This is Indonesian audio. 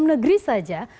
di dalam negeri saja